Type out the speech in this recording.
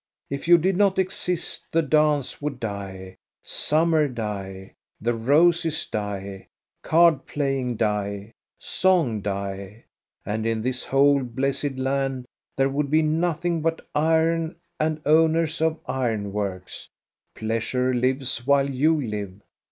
If you did not exist the dance would die, summer die, the roses die, card playing die, song die, and in this whole blessed land there would be nothing but iron and owners of iron works. Pleasure lives while you live.